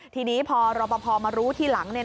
ทีนี้พอรอปภมารู้ทีหลัง